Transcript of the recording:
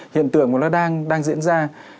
hiện tượng nó đang diễn ra